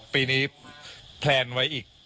ปีนี้แพลนไว้อีก